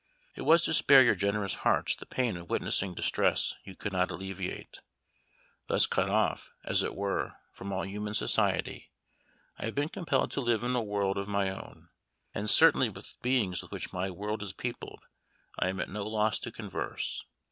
It was to spare your generous hearts the pain of witnessing distress you could not alleviate. Thus cut off, as it were, from all human society, I have been compelled to live in a world of my own, and certainly with the beings with which my world is peopled, I am at no loss to converse.